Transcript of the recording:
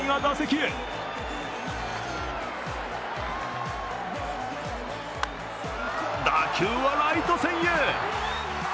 打線はライト線へ。